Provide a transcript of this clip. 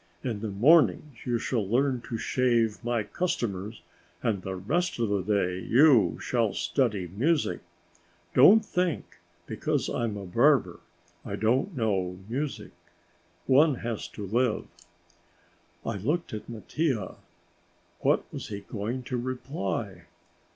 In the mornings you shall learn to shave my customers and the rest of the day you shall study music. Don't think, because I'm a barber, I don't know music. One has to live!" I looked at Mattia. What was he going to reply?